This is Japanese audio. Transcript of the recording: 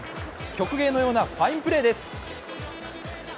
曲芸のようなファインプレーです。